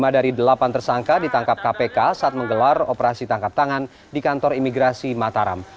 lima dari delapan tersangka ditangkap kpk saat menggelar operasi tangkap tangan di kantor imigrasi mataram